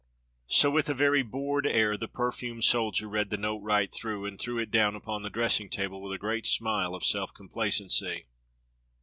So with a very bored air the perfumed soldier read the note right through, and threw it down upon the dressing table with a great smile of self complacency.